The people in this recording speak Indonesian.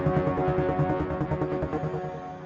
ya udah gue jalanin dulu